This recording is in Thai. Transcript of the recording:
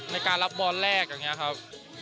ในการรับบอลแรกอย่างนี้ครับ